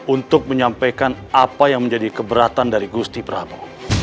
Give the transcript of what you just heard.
untuk menyampaikan apa yang menjadi keberatan dari gusti prabowo